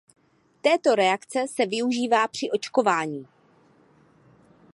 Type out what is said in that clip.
Této reakce se využívá při očkování.